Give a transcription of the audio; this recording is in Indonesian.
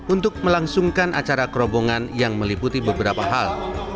untuk melangsungkan acara kerobongan yang meliputi beberapa hal